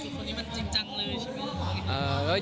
คือคนนี้มันจริงจังเลยใช่มั้ย